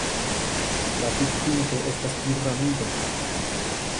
La tutpinto estas piramida.